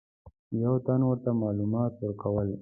یو تن ورته معلومات ورکول.